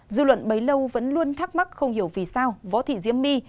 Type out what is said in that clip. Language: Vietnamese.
dư luận bấy lâu vẫn luôn thắc mắc không hiểu vì sao võ thị diễm my